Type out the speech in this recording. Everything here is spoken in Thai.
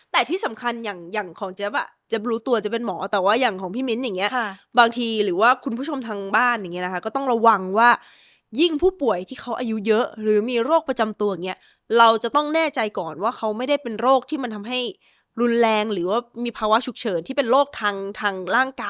แต่ที่สำคัญอย่างของเจ๊บอ่ะเจ๊บรู้ตัวจะเป็นหมอแต่ว่าอย่างของพี่มิ้นท์อย่างเงี้บางทีหรือว่าคุณผู้ชมทางบ้านอย่างเงี้นะคะก็ต้องระวังว่ายิ่งผู้ป่วยที่เขาอายุเยอะหรือมีโรคประจำตัวอย่างเงี้ยเราจะต้องแน่ใจก่อนว่าเขาไม่ได้เป็นโรคที่มันทำให้รุนแรงหรือว่ามีภาวะฉุกเฉินที่เป็นโรคทางทางร่างกาย